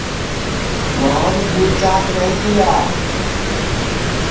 موھن بھی چاک نائی تیا